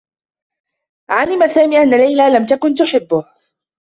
علم سامي أنّ ليلى لم تكن تحبّه.